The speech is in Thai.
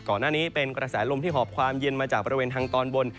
ก่อนหน้านี้เป็นกระแสลมที่หอบความเย็นมาจากบริเวณทางตอนบน